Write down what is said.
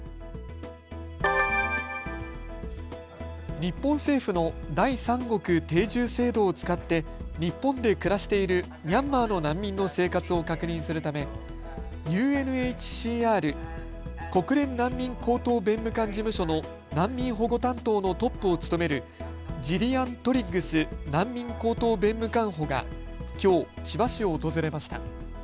日本政府の第三国定住制度を使って日本で暮らしているミャンマーの難民の生活を確認するためＵＮＨＣＲ・国連難民高等弁務官事務所の難民保護担当のトップを務めるジリアン・トリッグス難民高等弁務官補がきょう千葉市を訪れました。